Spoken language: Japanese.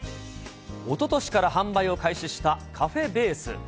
おととしから販売を開始した、カフェベース。